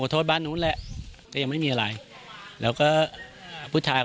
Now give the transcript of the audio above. โทษบ้านนู้นแหละแต่ยังไม่มีอะไรแล้วก็ผู้ชาย